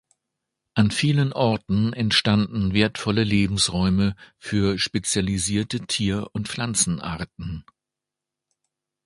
An vielen Orten entstanden wertvolle Lebensräume für spezialisierte Tier- und Pflanzenarten.